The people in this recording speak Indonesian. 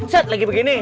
saya lagi begini